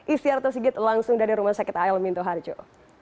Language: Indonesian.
istiarto sigit langsung dari rumah sakit al minto harjo